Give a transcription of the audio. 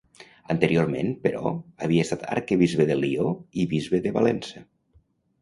Anteriorment, però, havia estat arquebisbe de Lió i bisbe de Valença.